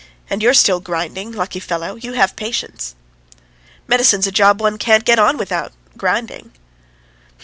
And you're still grinding! Lucky fellow! You have patience." "Medicine's a job one can't get on with without grinding."